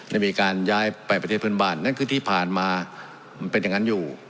ได้มีการย้ายไปประเทศเพื่อนบ้านนั่นคือที่ผ่านมามันเป็นอย่างนั้นอยู่